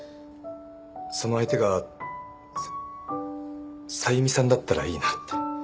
その相手がささゆみさんだったらいいなって。